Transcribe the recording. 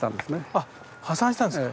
あっ破産したんですか？